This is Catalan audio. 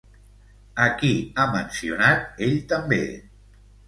A qui ha mencionat ell també?